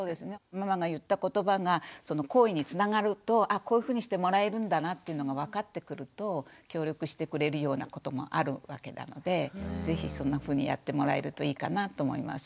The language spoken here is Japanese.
ママが言った言葉がその行為につながるとあこういうふうにしてもらえるんだなっていうのが分かってくると協力してくれるようなこともあるわけなので是非そんなふうにやってもらえるといいかなと思います。